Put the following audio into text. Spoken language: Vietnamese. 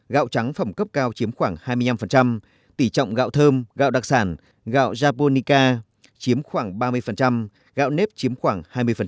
gạo trắng phẩm cấp cao chiếm khoảng hai mươi năm tỷ trọng gạo thơm gạo đặc sản gạo japonica chiếm khoảng ba mươi gạo nếp chiếm khoảng hai mươi